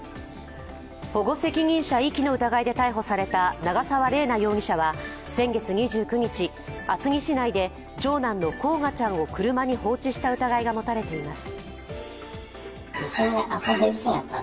保護責任者遺棄の疑いで逮捕された長沢麗奈容疑者は、先月２９日、厚木市内で長男の煌翔ちゃんを車に放置した疑いが持たれています。